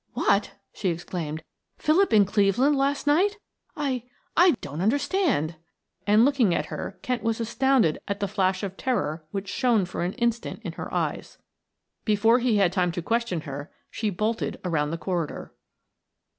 "What!" she exclaimed. "Philip in Cleveland last night. I I don't understand." And looking at her Kent was astounded at the flash of terror which shone for an instant in her eyes. Before he had time to question her she bolted around the corridor.